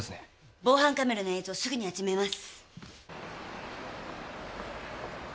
防犯カメラの映像すぐに集めます。